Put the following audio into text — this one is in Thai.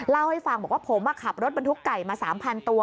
เล่าให้ฟังบอกว่าผมขับรถบรรทุกไก่มา๓๐๐ตัว